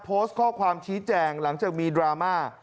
โพสต์ข้อความชี้แจงหลังจากมีดราม่า